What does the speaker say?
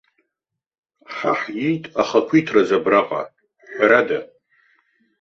Ҳа ҳиит ахақәиҭраз абраҟа, ҳәарада.